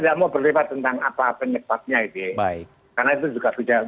karena itu juga bukan bidang saya